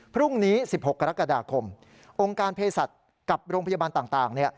พรุ่งนี้๑๖กรกฎาคมองค์การเพศสัตว์กับโรงพยาบาลต่าง